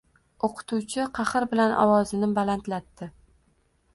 O‘qituvchi qahr bilan ovozini balandlatdi.